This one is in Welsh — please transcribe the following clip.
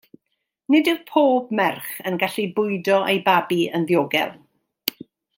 Nid yw pob merch yn gallu bwydo ei babi yn ddiogel.